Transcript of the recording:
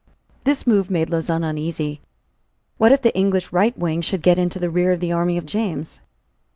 This move made Lauzun uneasy. What if the English right wing should get into the rear of the army of James?